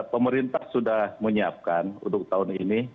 pemerintah sudah menyiapkan untuk tahun ini